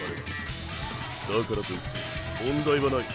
だからといって問題はない。